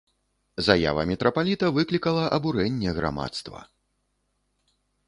Заява мітрапаліта выклікала абурэнне грамадства.